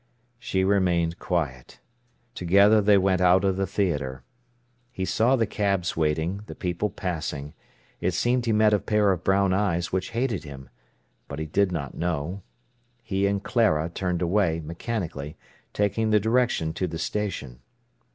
She remained quiet. Together they went out of the theatre. He saw the cabs waiting, the people passing. It seemed he met a pair of brown eyes which hated him. But he did not know. He and Clara turned away, mechanically taking the direction to the station.